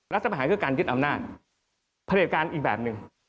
รัฐประหารคือการยึดอำนาจผลิตการอีกแบบหนึ่ง